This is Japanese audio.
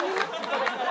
これから。